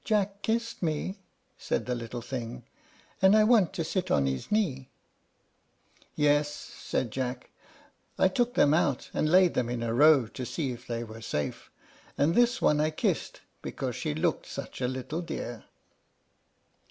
"Jack kissed me," said the little thing; "and I want to sit on his knee." "Yes," said Jack; "I took them out, and laid them in a row, to see that they were safe, and this one I kissed, because she looked such a little dear."